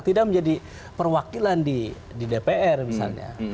tidak menjadi perwakilan di dpr misalnya